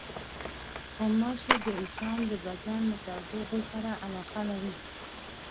غوماشې د انسان د بدن له تودوخې سره علاقه لري.